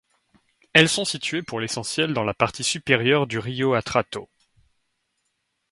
Elles sont situées pour l'essentiel dans la partie supérieure du Río Atrato.